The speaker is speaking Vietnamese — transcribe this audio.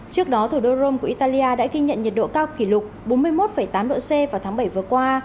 trước đó thủ đô rome của italia đã ghi nhận nhiệt độ cao kỷ lục bốn mươi một tám độ c vào tháng bảy vừa qua